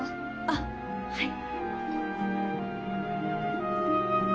あっはい。